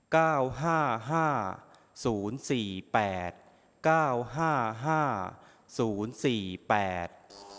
เก้าห้าห้าศูนย์สี่แปดเก้าห้าห้าศูนย์สี่แปด